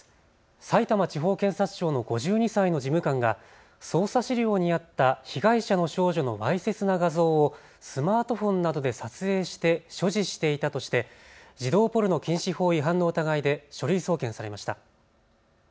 さいたま地方検察庁の５２歳の事務官が捜査資料にあった被害者の少女のわいせつな画像をスマートフォンなどで撮影して所持していたとして児童ポルノ禁止法違反の疑いで書類送検されました。